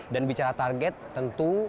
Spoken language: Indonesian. dan bicara target tentu